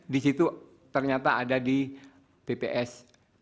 di situ ternyata ada di tps tujuh